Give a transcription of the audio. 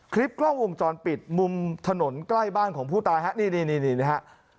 คลิปกล้องวงจรปิดมุมถนนใกล้บ้านของผู้ตายฮะนี่นะฮะ